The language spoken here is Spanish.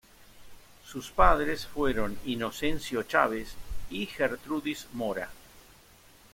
Sus padres fueron Inocencio Chávez y Gertrudis Mora.